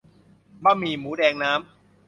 บะหมี่หมูแดง น้ำ